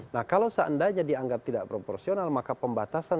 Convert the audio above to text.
nah kalau seandainya dianggap tidak proporsional maka pembatasan